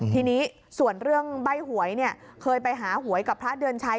ทีนี้ส่วนเรื่องใบ้หวยเคยไปหาหวยกับพระเดือนชัย